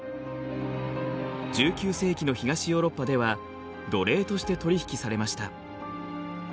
１９世紀の東ヨーロッパでは奴隷として取り引きされました。